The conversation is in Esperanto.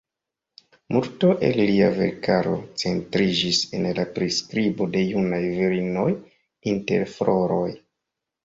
Multo el lia verkaro centriĝis en la priskribo de junaj virinoj inter floroj.